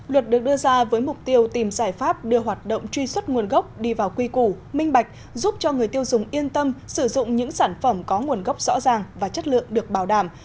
luật được đưa ra với mục tiêu tìm giải pháp đưa hoạt động truy xuất nguồn gốc đi vào quy củ minh bạch giúp cho người tiêu dùng yên tâm sử dụng những sản phẩm có nguồn gốc rõ ràng và chất lượng được bảo đảm